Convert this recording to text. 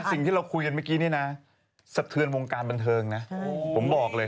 สิ่งที่เราคุยกันเมื่อกี้นี่นะสะเทือนวงการบันเทิงนะผมบอกเลย